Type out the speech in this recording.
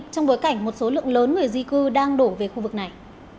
trong bối cảnh một số lượng lớn người di cư đang đổ về khu vực này